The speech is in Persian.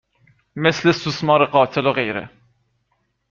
مثل سوسمار قاتل و غیره